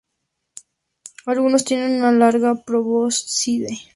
Algunos tienen una larga probóscide.